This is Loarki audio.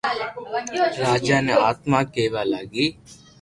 راجا ني آتما ڪيوا لاگي